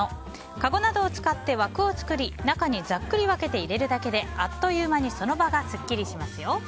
かごなどを使って枠を作り中にざっくり分けて入れるだけであっという間にその場がすっきりしますよ。